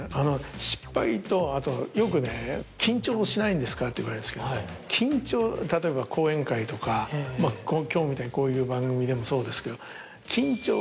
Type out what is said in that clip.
失敗とあとよくね。って言われるんですけど緊張例えば講演会とか今日みたいにこういう番組でもそうですけど。